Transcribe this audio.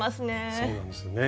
そうなんですよね。